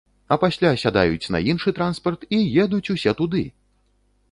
А пасля сядаюць на іншы транспарт і едуць усе туды!